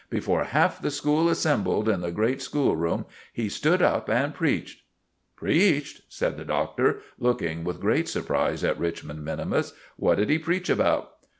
Before half the school assembled in the great school room he stood up and preached." "Preached!" said the Doctor, looking with great surprise at Richmond minimus. "What did he preach about?"